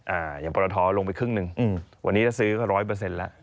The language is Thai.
อ่าอย่างปรทอลงไปครึ่งหนึ่งอืมวันนี้ถ้าซื้อก็ร้อยเปอร์เซ็นต์แล้ว